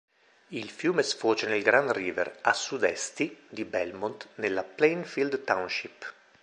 Il fiume sfocia nel Grand River a Sud-Esti di Belmont nella Plainfield Township.